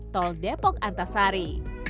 tol depok antasari